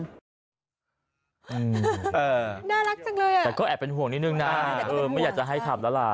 น่ารักจังเลยอ่ะแต่ก็แอบเป็นห่วงนิดนึงนะเออไม่อยากจะให้ขับแล้วล่ะ